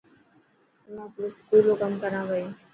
هون آپرو اسڪول رو ڪم ڪران پئي.